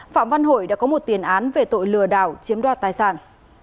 phạm văn hội đã có một tiền án về tội lừa đảo chiếm đoạt tài sản